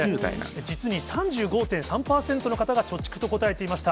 実に３５．３％の方が貯蓄と答えていました。